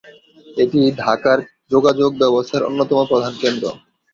এটি ঢাকার যোগাযোগ ব্যবস্থার অন্যতম প্রধান কেন্দ্র।।